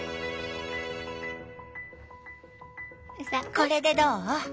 これでどう？